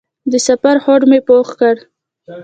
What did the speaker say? د سفر هوډ مې پوخ کړ.